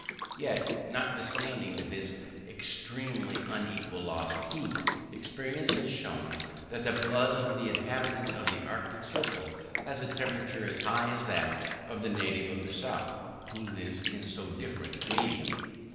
Yet, notwithstanding this extremely unequal loss of heat, experience has shown that the blood of the inhabitant of the arctic circle has a temperature as high as that of the native of the south, who lives in so different a medium.